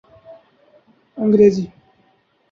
انگریزی